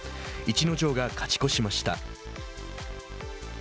逸ノ城が勝ち越しました。